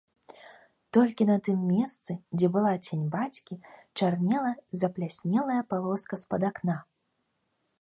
Толькі на тым месцы, дзе была цень бацькі, чарнела запляснелая палоска з-пад акна.